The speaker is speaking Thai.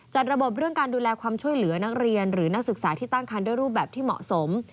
จัดระบบเรื่องการดูแลความช่วยเหลือนักเรียนหรือนักศึกษาที่ตั้งคันด้วยรูปแบบที่เหมาะสม